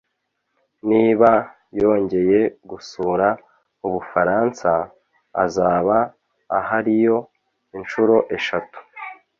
Niba yongeye gusura Ubufaransa, azaba ahariyo inshuro eshatu.